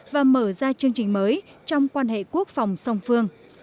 và mở ra chương trình mới trong quan hệ quốc phòng song phương